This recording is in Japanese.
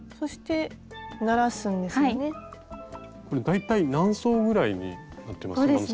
大体何層ぐらいになってます？